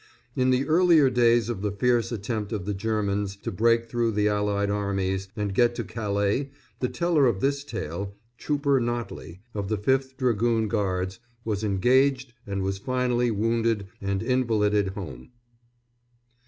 In the earlier days of the fierce attempt of the Germans to break through the Allied Armies and get to Calais the teller of this tale Trooper Notley, of the 5th Dragoon Guards was engaged and was finally wounded and invalided home.